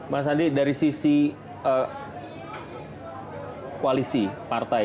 mas andi dari sisi koalisi partai